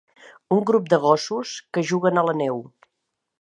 Un grup de gossos que juguen a la neu.